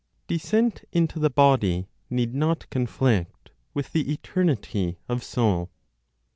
DESCENT INTO THE BODY NEED NOT CONFLICT WITH THE ETERNITY OF SOUL.